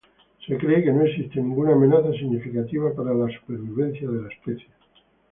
Se cree que no existe ninguna amenaza significativa para la supervivencia de la especie.